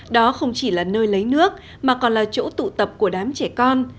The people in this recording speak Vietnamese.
đó không chỉ là nơi lấy nước mà còn là chỗ tụ tập của đám trẻ con